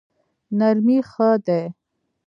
نرمي ښه دی.